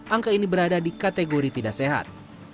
angka ini berada di kategori tidak sehat